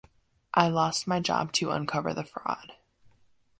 I lost my job to uncover the fraud.